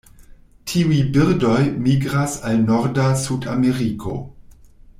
Tiuj birdoj migras al norda Sudameriko.